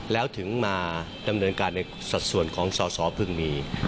แล้วถึงมาดำเนินการในสัดส่วนของสอสอพึ่งมี